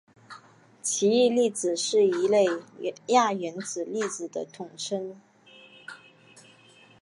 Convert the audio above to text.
奇异粒子是一类亚原子粒子的统称。